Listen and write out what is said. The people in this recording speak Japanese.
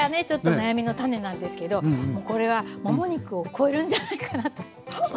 ちょっと悩みの種なんですけどこれはもも肉を超えるんじゃないかなと。